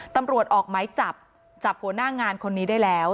ตำรวจออกไม้จับจับหัวหน้างานคนนี้ได้แล้ว